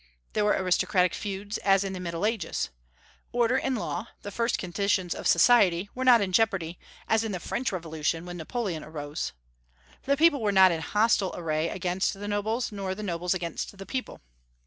There were aristocratic feuds, as in the Middle Ages. Order and law the first conditions of society were not in jeopardy, as in the French Revolution, when Napoleon arose. The people were not in hostile array against the nobles, nor the nobles against the people.